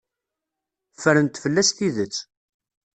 Ffrent fell-as tidet.